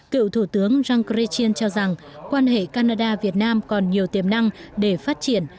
cựu thủ tướng jean chréchin cho rằng quan hệ canada việt nam còn nhiều tiềm năng để phát triển